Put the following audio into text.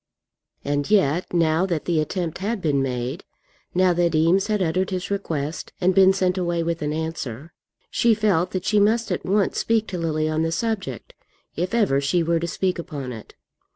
And yet, now that the attempt had been made, now that Eames had uttered his request and been sent away with an answer, she felt that she must at once speak to Lily on the subject, if ever she were to speak upon it.